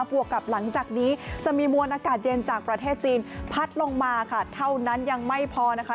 วกกับหลังจากนี้จะมีมวลอากาศเย็นจากประเทศจีนพัดลงมาค่ะเท่านั้นยังไม่พอนะคะ